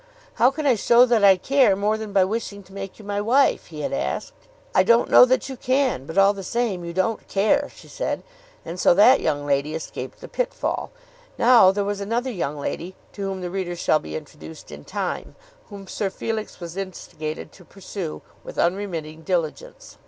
"How can I show that I care more than by wishing to make you my wife?" he had asked. "I don't know that you can, but all the same you don't care," she said. And so that young lady escaped the pit fall. Now there was another young lady, to whom the reader shall be introduced in time, whom Sir Felix was instigated to pursue with unremitting diligence.